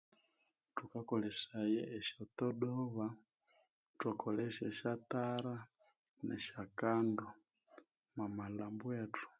Thukakolesaya esya todoba, ithwakolesya esya tara nesya kando omwa malhambo ethu.